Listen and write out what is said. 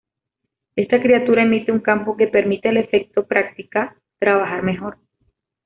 Esta criatura emite un campo que permite al efecto práctica trabajar mejor.